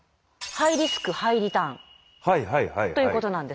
ハイリスクハイリターンということなんですね。